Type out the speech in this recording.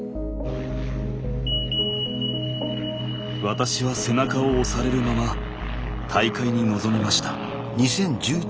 私は背中を押されるまま大会に臨みました。